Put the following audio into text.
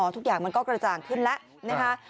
ทุกอย่างมันก็กระจ่างขึ้นแล้วนะคะ